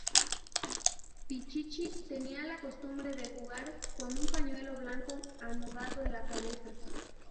Pichichi, tenía la costumbre de jugar con un pañuelo blanco anudado en la cabeza.